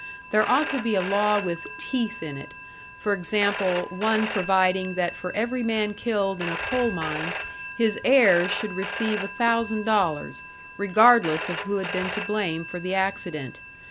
There ought to be a law with "teeth" in it for example, one providing that for every man killed in a coal mine his heirs should receive a thousand dollars, regardless of who had been to blame for the accident.